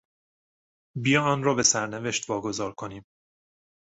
بیا آن را به سرنوشت واگذار کنیم.